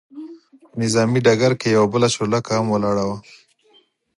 پر نظامي ډګر کې یوه بله چورلکه هم ولاړه وه.